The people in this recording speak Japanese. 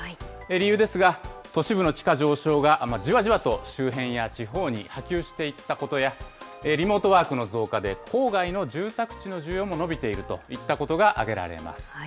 理由ですが、都市部の地価上昇がじわじわと周辺や地方に波及していったことや、リモートワークの増加で、郊外の住宅地の需要も伸びているといったことが挙げられます。